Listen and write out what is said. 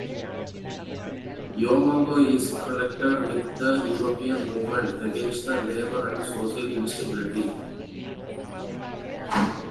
Yomango is connected with the European movement against labor and social instability.